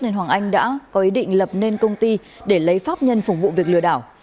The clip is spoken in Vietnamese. nên hoàng anh đã có ý định lập nên công ty để lấy pháp nhân phục vụ việc lừa đảo